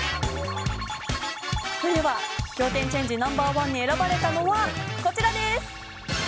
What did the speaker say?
それでは仰天チェンジＮｏ．１に選ばれたのはこちらです！